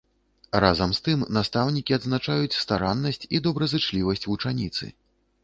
Разам з тым настаўнікі адзначаюць стараннасць і добразычлівасць вучаніцы.